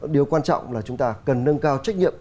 điều quan trọng là chúng ta cần nâng cao trách nhiệm